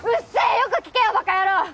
よく聞けよバカ野郎！